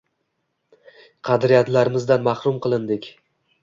Qadriyatlarimizdan mahrum qilindik.